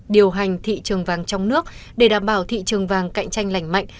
điều hành thị trường vàng trong nước để đảm bảo thị trường vàng cạnh tranh lành mạnh